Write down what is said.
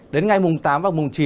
đến ngày tám và chín